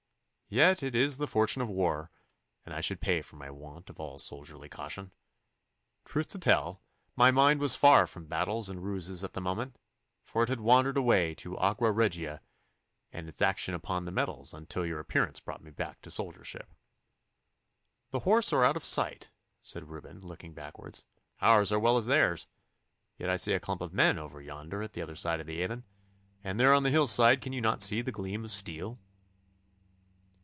Yet it is the fortune of war, and I should pay for my want of all soldierly caution. Truth to tell, my mind was far from battles and ruses at the moment, for it had wandered away to aqua regia and its action upon the metals, until your appearance brought me back to soldiership.' 'The horse are out of sight,' said Reuben, looking backwards, 'ours as well as theirs. Yet I see a clump of men over yonder at the other side of the Avon, and there on the hillside can you not see the gleam of steel?